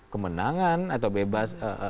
kemenangan atau bebas